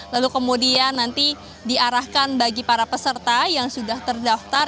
lalu kemudian nanti diarahkan bagi para peserta yang sudah terdaftar